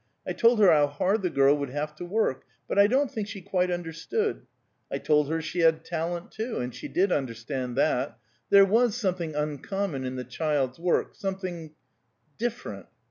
I told her how hard the girl would have to work: but I don't think she quite understood. I told her she had talent, too; and she did understand that; there was something uncommon in the child's work; something different.